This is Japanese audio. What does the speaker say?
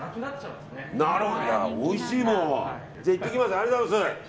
ありがとうございます。